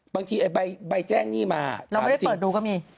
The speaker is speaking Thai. ไอ้ใบแจ้งหนี้มาเราไม่ได้เปิดดูก็มี